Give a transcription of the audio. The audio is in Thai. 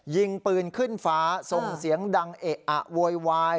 ยิงปืนขึ้นฟ้าส่งเสียงดังเอะอะโวยวาย